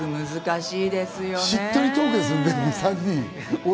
しっとりトークですね、３人。